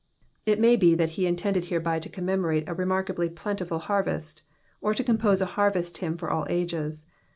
It may be that he intended hereby to commemMoie a remarkably plentiful harvest, or to compose a harvest hymn for all ages.